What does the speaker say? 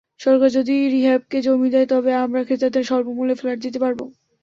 সরকার যদি রিহ্যাবকে জমি দেয়, তবে আমরা ক্রেতাদের স্বল্পমূল্যে ফ্ল্যাট দিতে পারব।